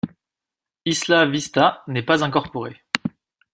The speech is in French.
Isla Vista n’est pas incorporée.